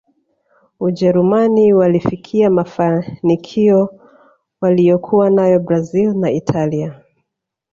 ujerumani walifikia mafanikio waliyokuwa nayo brazil na italia